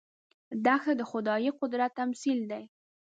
دښته د خدايي قدرت تمثیل دی.